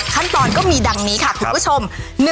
ก็มีดังนี้ค่ะคุณผู้ชม